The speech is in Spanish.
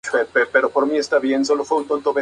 Tuvieron dos hijos, un hijo y una hija.